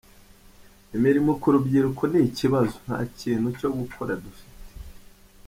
Imirimo ku rubyiruko ni ikibazo, nta kintu cyo gukora dufite.